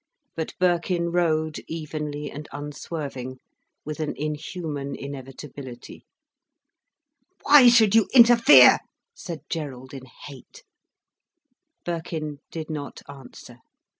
But Birkin rowed evenly and unswerving, with an inhuman inevitability. "Why should you interfere?" said Gerald, in hate. Birkin did not answer.